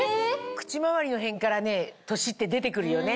口周りの辺から年って出て来るよね。